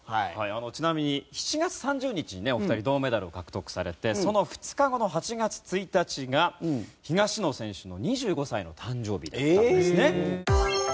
ちなみに７月３０日にねお二人銅メダルを獲得されてその２日後の８月１日が東野選手の２５歳の誕生日だったんですね。